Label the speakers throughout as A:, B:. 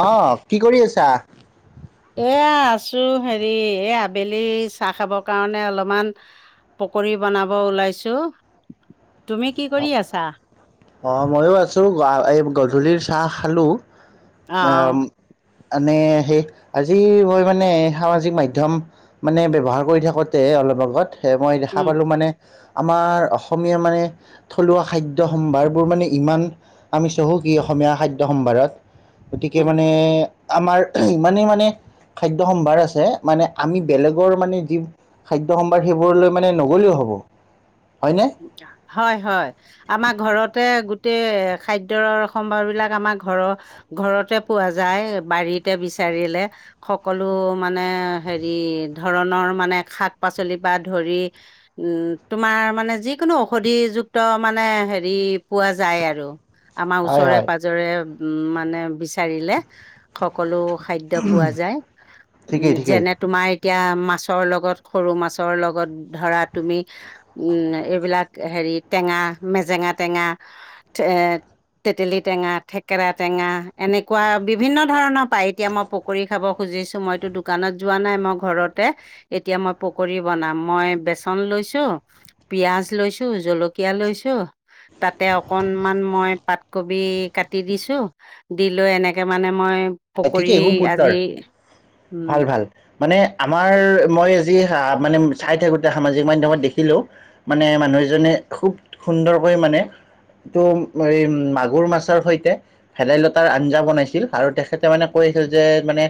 A: Of কি কৰি আছা।
B: এ আছো হেৰি এই আবেলি চাহ খাবৰ কাৰণে অলপমান। পকৰি বনাব ওলাইছো। তুমি কি কৰি আছা?
A: অৱ মইো আছো এই গধূলিৰ চাহ খালো।
B: অ অ
A: মনে সেই আজি মই মানে সামাজিক মাধ্যম মানে ব্যৱহাৰ কৰি থাকোঁতে অলপ আগত সেই মই দেখা
B: উম
A: পালো মানে আমাৰ অসমীয়া মানে থলুৱা খাদ্য সম্ভাৰবোৰ মানে ইমান আমি চহকী অসমীয়া খাদ্য সম্ভাৰত গতিকে
B: উম
A: মানে আমাৰ ইমানেই মানে খাদ্য সম্ভাৰ আছে মানে আমি বেলেগৰ মানে যি খাদ্য সম্ভাৰ সেইবোৰলৈ মানে নগ'লেও হব। হয় নে!
B: হয় হয়। আমাৰ ঘৰতে গোটেই খাদ্যয়ৰ সম্ভাৰ বিলাক আমাৰ ঘৰৰ ঘৰতে পোৱা যায় বাৰীতে বিচাৰিলে। সকলো মানে হেৰি ধৰণৰ মানে শাক-পাচলি পৰা ধৰি উম তোমাৰ মানে যিকোনো ঔষধিযুক্ত মানে হেৰি পোৱা যায় আৰু আমাৰ
A: হয় হয়
B: ওচৰে-পাজৰে নিজৰে উম মানে বিচাৰিলে। সকলো খাদ্য পোৱা যায়।
A: ঠিকেই
B: উম
A: ঠিকেই।
B: যেনে তোমাৰ এতিয়া মাছৰ লগত সৰু মাছৰ লগত ধৰা তুমি উম এইবিলাক হেৰি টেঙা, মেজেঙা টেঙা তেতেলী টেঙা, থেকেৰা টেঙা এনেকুৱা বিভিন্ন ধৰণৰ পাই এতিয়া মই প পকৰি খাব খুজিছোঁ মইতো দোকানত যোৱা নাই মই ঘৰতে এতিয়া মই পকৰী বনাম মই বেচন লৈছোঁ। পিয়াজ লৈছো, জলকীয়া লৈছোঁ। তাতে অকনমান মই পাতকবি কাটি দিছোঁ। দি লৈ এনেকে মানে মই পকৰি
A: ঠিকেই খুব সুন্দৰ
B: আজি উম।
A: ভাল ভাল মানে, আমাৰ মই আজি, মানে, চাই থাকোঁতে সামাজিক মাধ্যমত দেখিলোঁ। মানে, মানুহ এজনে খুউব সুন্দৰকৈ মানে, [unintelligible] মাগুৰ মাছৰ সৈতে, ভেদাইলতাৰ আঞ্জা বনাইছিল। আৰু তেখে তেখেতে মানে, কৈ আছিল যে, মানে,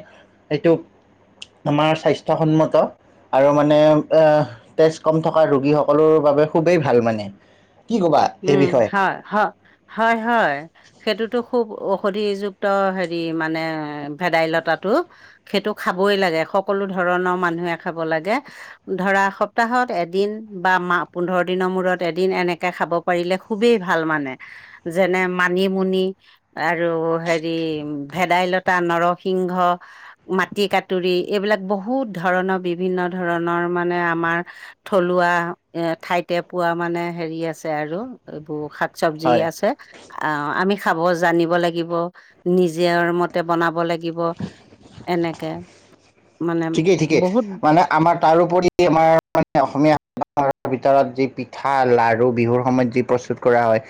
A: এইটো আমাৰ স্বাস্থ্যসন্মত। আৰু মানে, এ, তেজ কম থকা ৰোগীসকলৰ বাবে খুবেই ভাল মানে। কি ক'বা? সেই
B: উম,
A: বিষয়ে
B: হয়, হ, হয়, হয়! সেইটোতো খুউব ঔষধিযুক্ত! সেৰি মানে, ভেদাইলতাটো। সেইটো খাবই লাগে, সকলো ধৰণৰ মানুহে খাব লাগে। ধৰা, সপ্তাহত এদিন বা মাহ, পোন্ধৰ দিনৰ মূৰত এদিন, এনেকে খাব পাৰিলে খুবেই ভাল মানে! যেনে- মানিমুনি আৰু সেৰি, ভেদাইলতা, নৰসিংহ, মাটিকাতুৰি, এইবিলাক বহুত ধৰণৰ, বিভিন্ন ধৰণৰ মানে, আমাৰ থলুৱা, এ, ঠাইতে পোৱা মানে, সেৰি আছে। আছে আৰু। এইবোৰ, শাক-চবজি
A: হয়
B: আছে। অ'! আমি খাব জানিব লাগিব, নিজৰ মতে, বনাব লাগিব। এনেকে, মানে
A: ঠিকেই ঠিকেই
B: বহুত
A: মানে আমাৰ তাৰোপৰি, আমাৰ মানে, অসমীয়া ভিতৰত যি পিঠা, লাৰু বিহুৰ সময়ত যি প্ৰস্তুত প্ৰস্তুত কৰা হয়।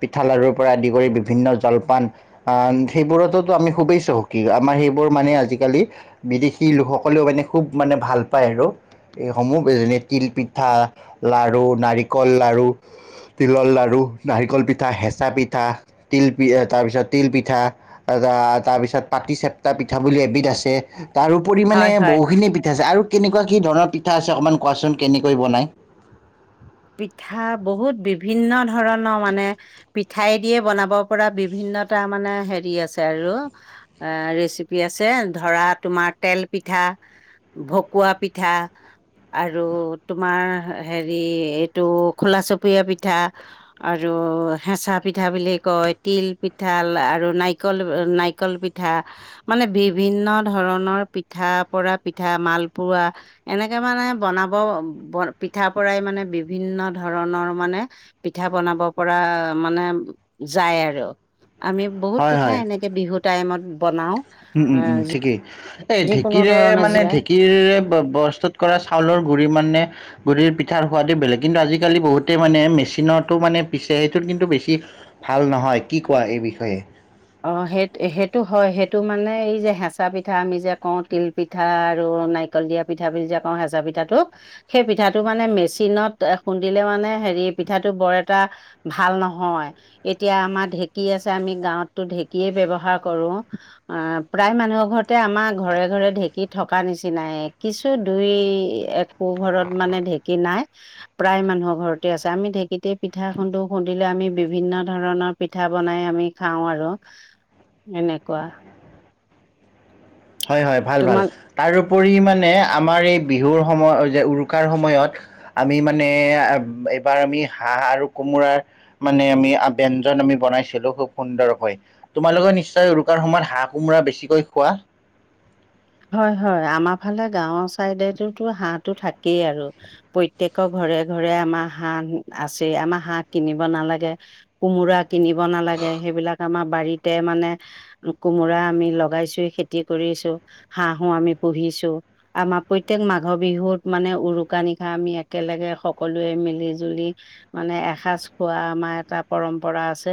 A: পিঠা লাৰুৰ পৰা আদি কৰি, বিভিন্ন জলপান। [unintelligible] সেইবোৰতোতো আমি খুবেই চহকী। আমাৰ সেইবোৰ মানে, আজিকালি বিদেশী লোকসকল সকলেও মানে, খুউব মানে, ভাল পায় আৰু। এইসমূহ যেনে- তিল পিঠা, লাৰু, নাৰিকল লাৰু, তিলৰ লাৰু, নাৰিকল পিঠা, হেঁচা পিঠা, তিল তাৰপিছত, তিল পিঠা। [unintelligible] তাৰপিছত, পাতি চেপটা পিঠা বুলি এবিধ আছে। তাৰো পৰিমাণে,
B: হয় হয়
A: বহুখিনি পিঠা আছে! আৰু কেনেকুৱা, কি ধৰণৰ, পিঠা আছে, অকণমান কোৱাচোন কেনেকৈ বনায়?
B: পিঠা বহুত, বিভিন্ন ধৰণৰ মানে, পিঠাই দিয়ে বনাব পৰা, বিভিন্নটা মানে, সেৰি আছে আৰু। এ, ৰেচিপি আছে। ধৰা, তোমাৰ তেল পিঠা। ভকুৱা পিঠা আৰু তোমাৰ, সেৰি এইটো, খোলা চপুৰীয়া পিঠা আৰু হেঁচা পিঠা বুলি কয়! তিল পিঠা আৰু নাৰিকল, নাৰিকল পিঠ পিঠা, মানে বিভিন্ন ধৰণৰ পিঠা, পুৰা পিঠা, মালপোৱা। এনেকে, মানে বনাব, পিঠা পৰাই মানে, বিভিন্ন ধৰণৰ মানে, পিঠা বনাব পৰা, মানে, যায় আৰু। আমি বহুত
A: হয়
B: পিঠা
A: হয়
B: এনেকে বিহু টাইমত বনাওঁ।
A: উম, উম, উম, ঠিকেই! এই, ঢেঁকীৰে
B: ধৰণৰ
A: মানে,
B: জিৰা
A: ঢেঁকীৰে বস্তা কৰা চাউলৰ গুৰি মানে, গুৰিৰ পিঠাৰ সোৱাদে বেলেগ! কিন্তু, আজিকালি বহুতেই মানে, মেচিনতো মানে, পিছে। সেইটো কিন্তু, বেছি ভাল নহয়! কি কোৱা এই বিষয়ে?
B: অ'! সেই, সেইটো হয়! সেইটো মানে, এই যে, হেঁচা পিঠা আমি যে কওঁ, তিল পিঠা পিঠা আৰু নাৰিকল দিয়া পিঠা বুলি যে কওঁ, হেঁচা পিঠাটোক। সেই, পিঠাটো মানে, মেচিনত খুন্দিলে মানে, সেৰি পিঠাটো বৰ এটা ভাল নহয়! এতিয়া আমাৰ ঢেঁকী আছে, আমি গাঁৱত টো ঢেঁকীয়ে ব্যৱহাৰ কৰোঁ। অ'! প্ৰায় মানুহৰ ঘৰতে, আমাৰ ঘৰে-ঘৰে ঢেঁকী থকা নিচিনাই। কিছু, দুই-এক পো ঘৰত মানে ঢেঁকী নাই। প্ৰায় মানুহৰ ঘৰতে আছে আমি ঢেঁকীতে পিঠা খুন্দো খুন্দিলে আমি বিভিন্ন ধৰণৰ পিঠা বনাই আমি খাওঁ আৰু এনেকুৱা।
A: হয় হয় ভাল ভাল
B: তোমাক
A: তাৰোপৰি মানে আমাৰ এই বিহুৰ সময়ত যে উৰুকাৰ সময়ত আমি মানে এইবাৰ আমি হাঁহ আৰু কোমোৰাৰ মানে আমি ব ব্যঞ্জন আমি বনাইছিলো খুব সুন্দৰকৈ তোমালোকে নিশ্চয় উৰুকাৰ সময়ত হাঁহ, কোমোৰা বেছিকৈ খোৱা
B: হয় হয় আমাৰ ফালে গাঁৱৰ চাইডেটোতো হাঁহটো থাকেই আৰু। প্ৰত্যয়েকৰ ঘৰে ঘৰে আমাৰ হাঁহ আছে আমাৰ হাঁহ কিনিব নালাগে। কোমোৰা কিনিব নালাগে সেইবিলাক আমাৰ বাৰীতে মানে কোমোৰা আমি লগাইছোৱে খেতি কৰিছো হাঁহো আমি পুহিছো। আমাৰ প্ৰত্যেক মাঘৰ বিহুত মানে উৰুকা নিশা আমি একেলগে সকলোৱে মিলি-জুলি মানে এসাজ খোৱা আমাৰ এটা পৰম্পৰা আছে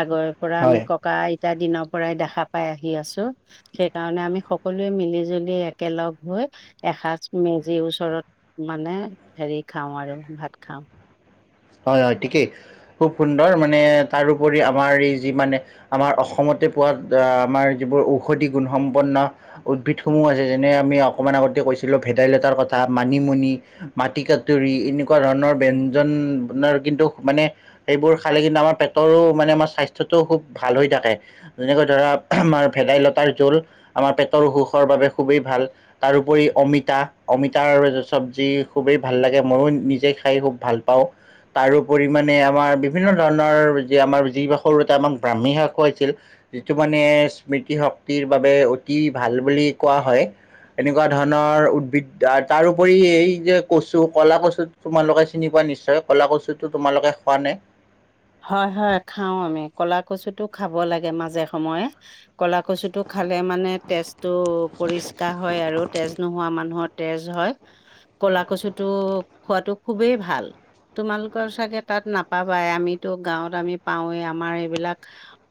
B: আগৰ পৰা আমি
A: হয়
B: ককা আইতা দিনৰ পৰাই দেখা পাই আহি আছো সেই কাৰণে আমি স- সকলোৱে মিলি জুলি একেলগ হৈ এসাঁজ মেজিৰ ওচৰত মানে হেৰি খাওঁ আৰু ভাত খাওঁ।
A: হয় হয় ঠিকেই খুব সুন্দৰ মানে তাৰপৰি আমাৰ এই যি মানে আমাৰ অসমতে পোৱাত আমাৰ যিবোৰ ঔষধি গুণসম্পন্ন উদ্ভিদসমূহ আছে যেনে আমি অকমান আগতে কৈছিলো ভেদাইলতাৰ কথা মানিমুনি, মাটি কাডুৰী এনেকুৱা ধৰণৰ ব্যঞ্জন আপোনাৰ কিন্তু মানে সেইবোৰ খালে কিন্তু আমাৰ পেটৰো মানে আমাৰ স্বাস্থ্যটোও খুব ভাল হৈ থাকে। যেনেকৈ ধৰা আমাৰ ভেদাইলতাৰ জোল আমাৰ পেটৰ অসুখৰ বাবে খুবেই ভাল। তাৰোপৰি অমিতা অমিতাৰ চবজি খুবেই ভাল লাগে মইয়ো নিজে খাই খুব ভাল পাওঁ। তাৰোপৰি মানে আমাৰ বিভিন্ন ধৰণৰ যে আমাৰ যি সৰুতে আমাক ব্ৰাহ্মী শাক খুৱাইছিল। যিটো মানে স্মৃতি শক্তিৰ বাবে অতি ভাল বুলি কোৱা হয়। এনেকুৱা ধৰণৰ উদ্ভিদ তাৰপৰি এই যে কচু কলা কচুত তোমালোকে চিনি পোৱা নিশ্চয় ক'লা কচুটো তোমালোকে খোৱা নে?
B: হয় হয় খাওঁ আমি ক'লা কচুটো খাব লাগে মাজে সময়ে। কলা কচুটো খালে মানে তেজটো পৰিষ্কাৰ হয় আৰু তেজ নোহোৱা মানুহত তেজ হয় কলা কচুটো খোৱাটো খুবেই ভাল। তোমালোকৰ চাগে তাত নাপাবাই আমিতো গাঁৱত আমি পাওঁৱেই আমাৰ এইবিলাক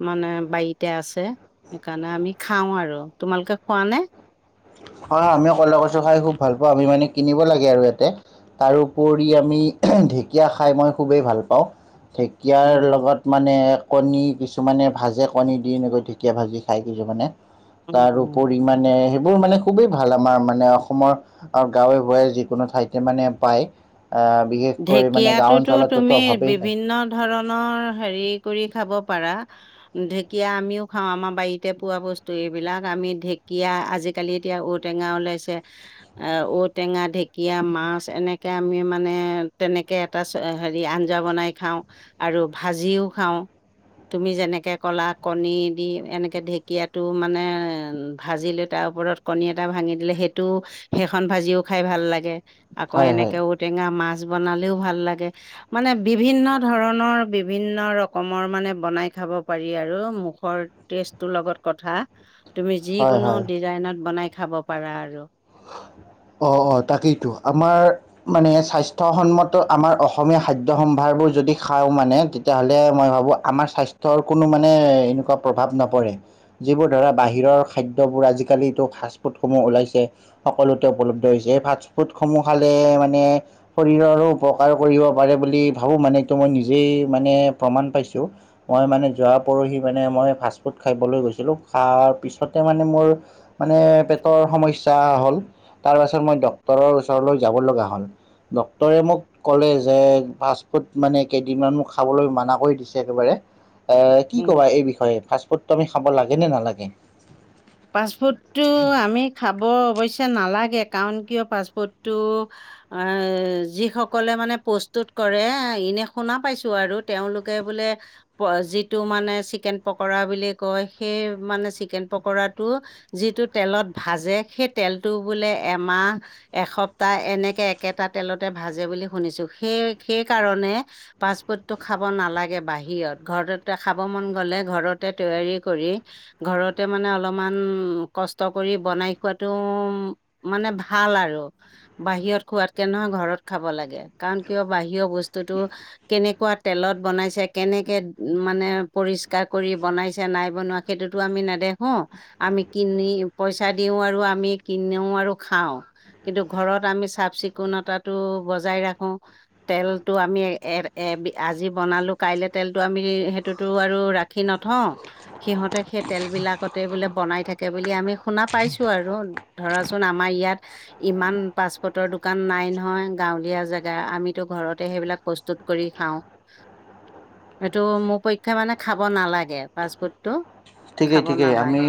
B: মানে বাৰীতে আছে সেইকাৰণে আমি খাওঁ আৰু। তোমালোকে খোৱা নে?
A: হয় আমিও কলা কচুু খাই খুব ভাল পাওঁ আমি মানে কিনিব লাগে আৰু ইয়াতে তাৰপৰি আমি ঢেঁকীয়া খাই মই খুবেই ভাল পাওঁ। ঢেঁকীয়াৰ
B: উম
A: লগত মানে কণী কিছুমানে ভাজে কণী দি এনেকৈ ঢেকীয়া ভাজি খায় কিছুমানে
B: উম,
A: তাৰ
B: উম,
A: উপৰি মানে সেইবোৰ মানে খুবেই ভাল আমাৰ মানে অসমৰ গাঁৱে ভূঞে যিকোনো ঠাইতে মানে পায় আ বিশেষকৈ মানে গাওঁ
B: ঢেকীয়াটোতো তুমি
A: অঞ্চলটোতো অভাৱেই নাই
B: বিভিন্ন ধৰণৰ হেৰি কৰি খাব পাৰা ঢেকীয়া আমিও খাওঁ আমাৰ বাৰীতে পোৱা বস্তু এইবিলাক আমি ঢেকীয়া আজি- কালি এতিয়া ঔটেঙা ওলাইছে। এ ঔটেঙা, ঢেকীয়া, মাছ এনেকে আমি মানে তেনেকে এটা হেৰি আঞ্জা বনাই খাওঁ আৰু ভাজিও খাওঁ। তুমি যেনেকে ক'লা কণী দি এনেকে ঢেঁকীয়াটো মানে ভাজি লৈ তাৰ ওপৰত কণী এটা ভাঙি দিলে সেইটোও, সেইখন ভাজিও খাই ভাল লাগে, আকৌ
A: হয় হয়
B: এনেকে ঔটেঙা মাছ মাছ বনালেও ভাল লাগে। মানে বিভিন্ন ধৰণৰ বিভিন্ন ৰকমৰ মানে বনাই খাব পাৰি আৰু। মুখৰ টেষ্টটোৰ লগত কথা, তুমি
A: হয়
B: যিকোনো
A: হয়
B: ডিজাইনত বনাই খাব পাৰা আৰু।
A: অঁ অঁ তাকেইতো, আমাৰ মানে স্বাস্থ্যসন্মত আমাৰ অসমীয়া খাদ্য সম্ভাৰবোৰ যদি খাওঁ মানে, তেতিয়াহ'লে মই ভাবোঁ আমাৰ স্বাস্থ্যৰ কোনো মানে এনেকুৱা প্ৰভাৱ নপৰে। যিবোৰ ধৰা বাহিৰৰ খাদ্যবোৰ আজিকালিটো ফাষ্ট ফুডসমূহ ওলাইছে, সকলোতে উপলব্ধ হৈছে, এই ফাষ্ট ফুড সমূহ খালে মানে শৰীৰৰো উপকাৰ কৰিব পাৰে বুলি ভাবো মানে, মই নিজেই মানে প্ৰমাণ পাইছো। মই মানে যোৱা পৰহি মানে মই ফাষ্টফুড খাবলৈ গৈছিলোঁ, খোৱাৰ পিছতে মানে মোৰ মানে পেটৰ সমস্যা হ'ল, তাৰ পাছত মই ডাক্তৰৰ ওচৰলৈ যাব লগা হ'ল। ডক্টৰে মোক কলে যে, ফাষ্ট ফুড মানে কেইদিনমান খাবলৈ মানা কৰি দিছে একেবাৰে। এ কি
B: উম
A: ক'বা এই বিষয়ে ফাষ্ট ফুডটো আমি খাব লাগে নে নালাগে?
B: পাষ্টফুৰ্ডটো আমি খাব অৱশ্যে নালাগে, কাৰণ কিয় পাষ্টফুৰ্ডটো আহ যিসকলে মানে প্ৰস্তুত কৰে, এনে শুনা পাইছো আৰু তেওঁলোকে বোলে যিটো মানে চিকেন পকৰা বুলি কয়, সেই মানে চিকেন পকৰাত টো যিটো তেলত ভাজে সেই তেলটো বোলে এমাহ এসপ্তাহ এনেকে একেটা তেলতে ভাজে বুলি শুনিছো, সেই সেইকাৰণে ফাষ্টফুডটো খাব নালাগে বাহিৰত। ঘৰতে খাব মন গ'লে ঘৰতে তৈয়াৰী কৰি ঘৰতে মানে অলপ অকমান কষ্ট কৰি বনাই খোৱাতটো মানে ভাল আৰু। বাহিৰত খোৱাতকে নহয় ঘৰত খাব লাগে, কাৰণ কিয় বাহিৰৰ বস্তুতটো কেনেকুৱা তেলত বনাইছে, কেনেকে মানে পৰিষ্কাৰ কৰি বনাইছে নাই বনোৱা সেইটোতো আমি নেদেখো, আমি কিনি পইচা দিও আৰু আমি কিনো আৰু খাওঁ। কিন্তু ঘৰত আমি চাফ চিকুণতাটো বজাই ৰাখো। তেলটো আমি এ এ আজি বনালো কাইলে তেলটো আমি সেইটোতো আৰু ৰা নথওঁ, সিহঁতে সেই তেল বিলাকত তে বোলে বনাই থাকে বুলি আমি শুনা পাইছো আৰু, ধৰাচোন আমাৰ ইয়াত ইমান ফাৰ্ষ্টফুডৰ দোকান নাই নহয়, গাঁৱলীয়া জেগা, আমিতো ঘৰতে সেইবিলাক প্ৰস্তুত কৰি খাওঁ।
A: উ [inaudible]
B: এইটো মোৰ পক্ষে মানে খাব নালাগে ফাষ্টফুডটো।
A: ঠিকেই
B: খাব
A: ঠিকেই আমি
B: নালাগে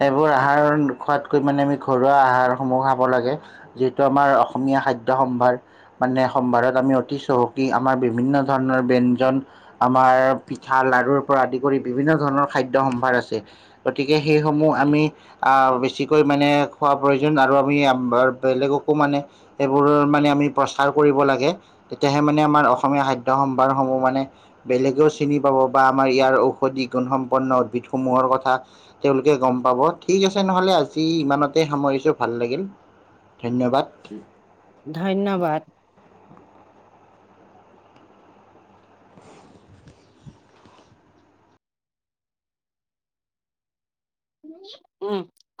A: সেইবোৰ আহাৰ খোৱাতকৈ মানে আমি ঘৰুৱা আহাৰসমূহ খাব লাগে। যিহেতু আমাৰ অসমীয়া খাদ্য সম্ভাৰ মানে সম্ভাৰত আমি অতি চহকী, আমাৰ বিভিন্ন ধৰণৰ ব্যঞ্জন আমাৰ পিঠা লাৰুৰ পৰা আদি কৰি বিভিন্ন ধৰণৰ খাদ্য সম্ভাৰ আছে। গতিকে সেইসমূহ আমি বেছিকৈ মানে খোৱাৰ প্ৰয়োজন আৰু আমি বেলেগকো মানে এইবোৰৰ মানে আমি প্ৰচাৰ কৰিব লাগে। তেতিয়াহে মানে আমাৰ অসমীয়া খাদ্য সম্ভাৰসমূহ মানে, বেলেগেও চিনি পাব বা আমাৰ ইয়াৰ ঔষধি গুণসম্পন্ন উদ্ভিদ সমূহৰ কথা। তেওঁলোকে গম পাব ঠিক আছে নহলে আজি ইমানতে সামৰিছো ভাল লাগিল। ধন্যবাদ।
B: ধন্যবাদ। উম, ক-